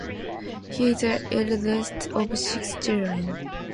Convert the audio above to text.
He is the eldest of six children.